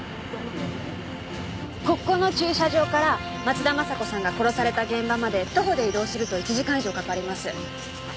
ここの駐車場から松田雅子さんが殺された現場まで徒歩で移動すると１時間以上かかります。